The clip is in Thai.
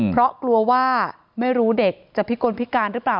เพราะกลัวว่าไม่รู้เด็กจะพิกลพิการหรือเปล่า